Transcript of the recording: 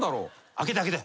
開けて開けて。